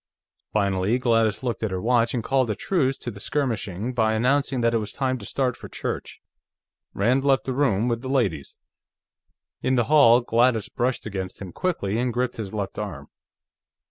Finally Gladys looked at her watch and called a truce to the skirmishing by announcing that it was time to start for church. Rand left the room with the ladies; in the hall, Gladys brushed against him quickly and gripped his left arm.